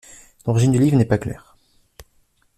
L'origine du livre n'est pas claire.